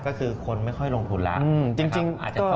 ก็คือคนไม่ค่อยลงทุนแล้วนะครับอาจจะเจ้ารอ